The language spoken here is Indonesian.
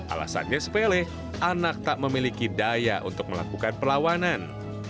alasannya sepele anak tak memiliki daya untuk melakukan perlawanan